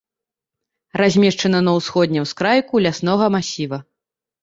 Размешчана на ўсходнім ускрайку ляснога масіва.